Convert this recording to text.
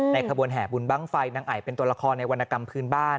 ขบวนแห่บุญบ้างไฟนางไอเป็นตัวละครในวรรณกรรมพื้นบ้าน